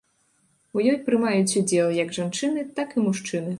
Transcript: У ёй прымаюць удзел як жанчыны, так і мужчыны.